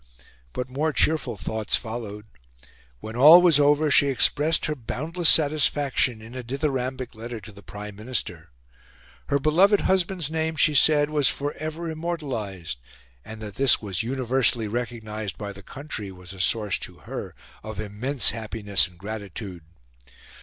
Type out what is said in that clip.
But more cheerful thoughts followed. When all was over, she expressed her boundless satisfaction in a dithyrambic letter to the Prime Minister. Her beloved husband's name, she said, was for ever immortalised, and that this was universally recognised by the country was a source to her of immense happiness and gratitude.